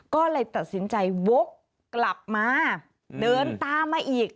ก็เลยตัดสินใจวกกลับมาเดินตามมาอีก